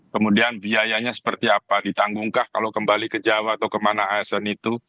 kemudian biayanya seperti apa ditanggungkah kalau kembali ke jawa atau kemana asn itu